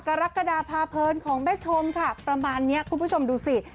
กระลักษณะภาพเพิร์นของแม่ชมค่ะประมาณเนี้ยคุณผู้ชมดูสิ